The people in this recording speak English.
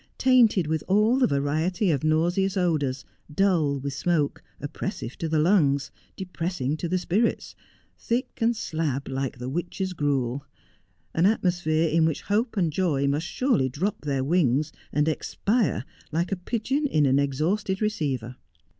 tainted with all the variety of nauseous odours, dull with smoke, oppressive to the lungs, depressing to the spirits, thick and slab like the witches' gruel ; an atmosphere in which hope and joy must surely drop their wings and expire like a pigeon in an ex hausted receiver.